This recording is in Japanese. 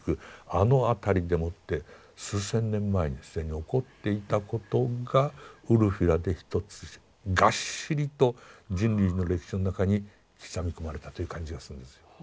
あの辺りでもって数千年前に既に起こっていたことがウルフィラで一つがっしりと人類の歴史の中に刻み込まれたという感じがするんですよ。